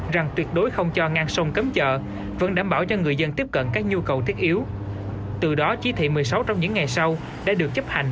rằng tình hình của các nhà sản phẩm của ubnd và các nhà sản phẩm của thủ tướng đã bị phá hủy